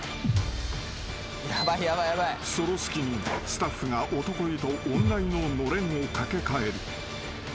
［その隙にスタッフが男湯と女湯ののれんを掛け替える］